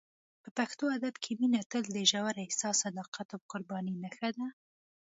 په پښتو ادب کې مینه تل د ژور احساس، صداقت او قربانۍ نښه ده.